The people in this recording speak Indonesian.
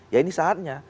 ya ini saatnya